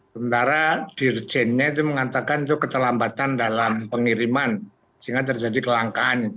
sementara dirjennya itu mengatakan itu keterlambatan dalam pengiriman sehingga terjadi kelangkaan